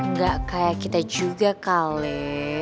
nggak kayak kita juga kale